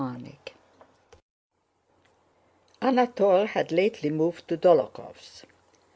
CHAPTER XVI Anatole had lately moved to Dólokhov's.